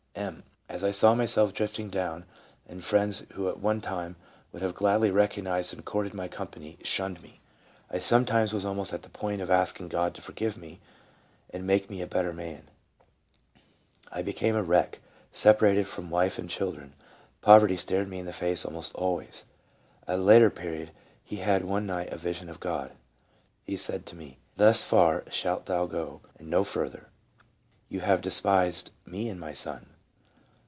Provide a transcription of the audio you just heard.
M.: "As I saw myself drifting down, and friends who at one time would have gladly recognized and courted my company shunned me, I sometimes was almost at the point of asking God to forgive me and make me a better man I became a wreck, separated from wife and children. Poverty stared me in the face almost always." .. At a later period he had one night a vision of God :" He said to me, ' Thus far shalt thou go and no further. You have despised Me and my Son.